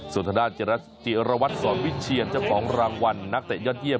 สุธนาจรัฐิรวรรษสอนวิเชียร์เจ้าของรางวัลนักเตะยอดเยี่ยม